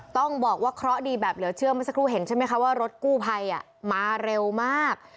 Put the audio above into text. ต้องบอกว่าเคราะห์ดีแบบเหลือเชื่อเมื่อสักครู่เห็นใช่ไหมคะว่ารถกู้ภัยมาเร็วมาก